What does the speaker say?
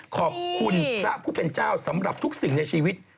ขอบคุณพระผู้เป็นเจ้าสำหรับทุกสิ่งในชีวิต